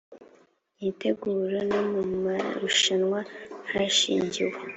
myiteguro no mu marushanwa hashingiwe